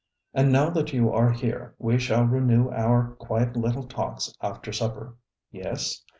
And now that you are here we shall renew our quiet little talks after supper. Yes?